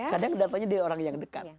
kadang datangnya dia orang yang dekat